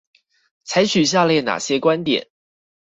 採取下列那些觀點？